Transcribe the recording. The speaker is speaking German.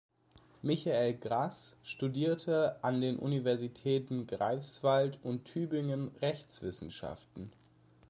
Michael Grass studierte an den Universitäten Greifswald und Tübingen Rechtswissenschaften.